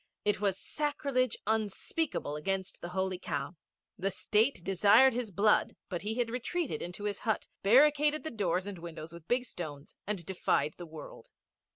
It was sacrilege unspeakable against the Holy Cow. The State desired his blood, but he had retreated into his hut, barricaded the doors and windows with big stones, and defied the world.